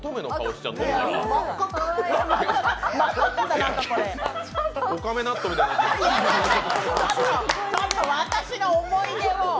ちょっと私の思い出を！